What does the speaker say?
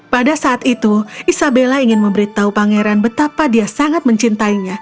pada saat itu isabella ingin memberitahu pangeran betapa dia sangat mencintainya